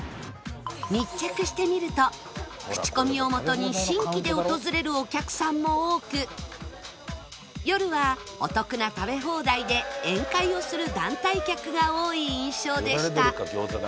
密着してみると口コミをもとに新規で訪れるお客さんも多く夜はお得な食べ放題で宴会をする団体客が多い印象でした